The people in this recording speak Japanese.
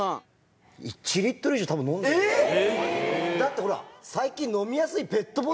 えっ⁉だって最近。